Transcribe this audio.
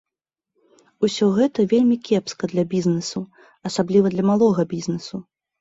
Усё гэта вельмі кепска для бізнэсу, асабліва для малога бізнэсу.